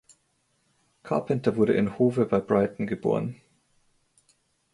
Carpenter wurde in Hove bei Brighton geboren.